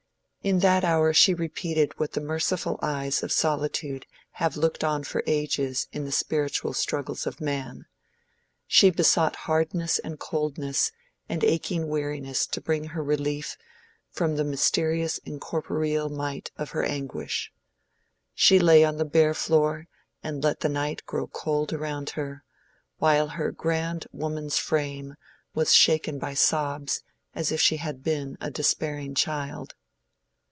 In that hour she repeated what the merciful eyes of solitude have looked on for ages in the spiritual struggles of man—she besought hardness and coldness and aching weariness to bring her relief from the mysterious incorporeal might of her anguish: she lay on the bare floor and let the night grow cold around her; while her grand woman's frame was shaken by sobs as if she had been a despairing child.